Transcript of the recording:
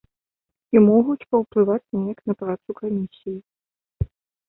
І могуць паўплываць неяк на працу камісіі.